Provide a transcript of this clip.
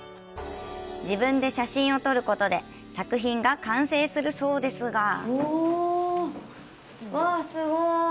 自分で写真を撮ることで作品が完成するそうですがおお、わあ、すご。